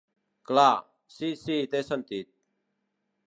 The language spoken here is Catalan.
Clar, si si té sentit.